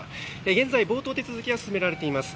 現在、冒頭手続きが進められています。